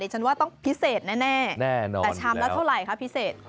ฉันว่าต้องพิเศษแน่แต่ชามละเท่าไหร่คะพิเศษ